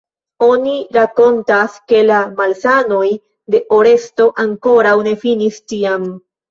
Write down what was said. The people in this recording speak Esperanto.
Oni rakontas ke la malsanoj de Oresto ankoraŭ ne finis tiam.